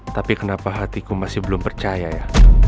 tapi kenapa hatiku masih belum percaya ya